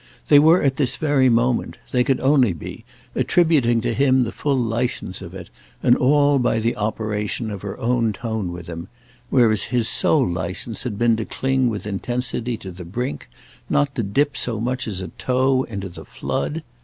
They were at this very moment—they could only be—attributing to him the full licence of it, and all by the operation of her own tone with him; whereas his sole licence had been to cling with intensity to the brink, not to dip so much as a toe into the flood.